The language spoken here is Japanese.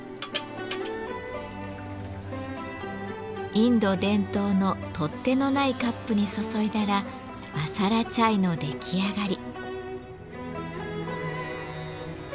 インド伝統の取っ手のないカップに注いだらマサラチャイの出来上がり。